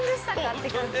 って感じ。